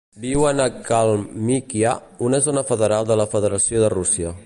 Viuen a Kalmykia, una zona federal de la Federació de Rússia.